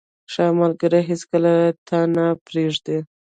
• ښه ملګری هیڅکله تا نه پرېږدي.